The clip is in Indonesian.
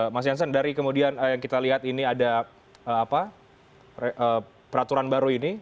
mas jansen dari kemudian yang kita lihat ini ada peraturan baru ini